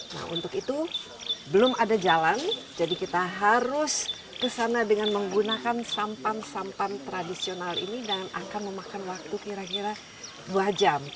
nah untuk itu belum ada jalan jadi kita harus kesana dengan menggunakan sampan sampan tradisional ini dengan angka memakan waktu kira kira dua jam